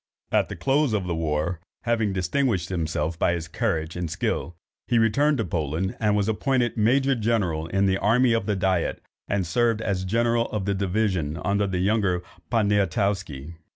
At the close of the war, having distinguished himself by his courage and skill, he returned to Poland, was appointed major general in the army of the diet, and served as general of division under the younger Poniatowski.